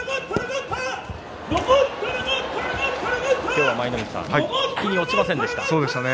今日は舞の海さん引きに落ちませんでしたね。